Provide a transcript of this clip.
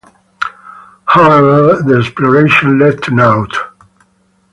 However, the exploration led to naught.